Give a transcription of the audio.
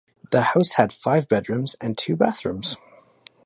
The house had five bedrooms and two bathrooms.